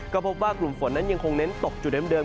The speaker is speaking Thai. ก็พบว่ากลุ่มฝนนั้นยังคงเน้นตกจุดเดิม